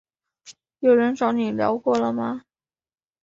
有人找你聊过了吗？